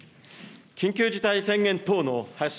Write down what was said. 緊急事態宣言等の発出